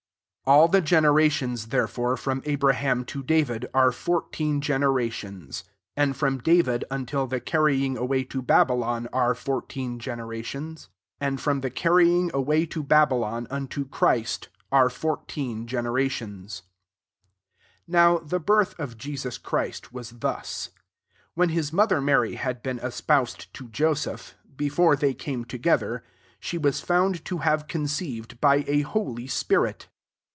17 All the generationt there* fore from Abraham to David are fourteen generationM ; and from David until the carrying away to Babylon tire four teen generations: and from the carrying away to Babylon unto Christ 9.Te fourteen generations* 18 J\roiV the birth of [Jeaua'] Christ was thus. When his mo» ther Mary had been esfioused to Joseph^ before they came together, she was found to have conceiver^ MATTHEW ir. by a holy Bfiirit.